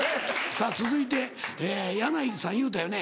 さぁ続いて箭内さん言うたよね。